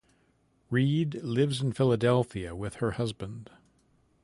Reid lives in Philadelphia with her husband.